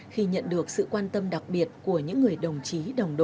khi nhận được sự quan tâm đặc biệt của những người đồng chí